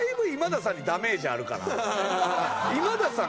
今田さん